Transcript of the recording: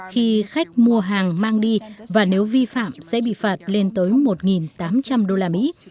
khi khách mua hàng mang đi và nếu vi phạm sẽ bị phạt lên tới một tám trăm linh đô la mỹ